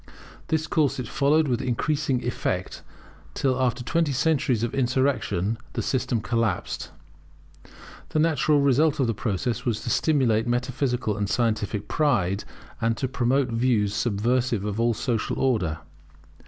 This course it followed with increasing effect, till after twenty centuries of insurrection, the system collapsed. The natural result of the process was to stimulate metaphysical and scientific pride, and to promote views subversive of all social order.